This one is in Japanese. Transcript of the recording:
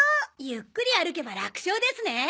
ゆっくり歩けば楽勝ですね。